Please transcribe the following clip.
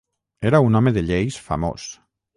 Era un home de lleis famós.